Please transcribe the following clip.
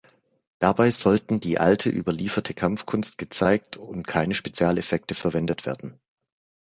Dabei sollten die alte, überlieferte Kampfkunst gezeigt und keine Spezialeffekte verwendet werden.